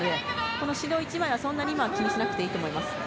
この指導１は、そんなに今は気にしなくていいと思います。